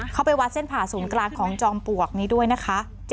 ไปวัดเส้นผ่าศูนย์กลางของจอมปลวกนี้ด้วยนะคะ